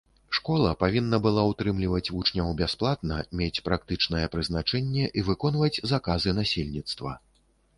Школа павінна была ўтрымліваць вучняў бясплатна, мець практычнае прызначэнне і выконваць заказы насельніцтва.